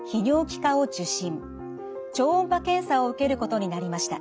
超音波検査を受けることになりました。